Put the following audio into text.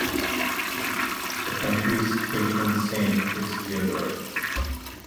The country's patron saint is Fyodor.